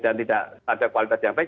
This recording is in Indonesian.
dan tidak ada kualitas yang baik